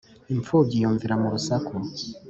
Impfubyi yunvira mu rusaku.